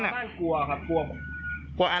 ชาวบ้านกลัวครับกลัว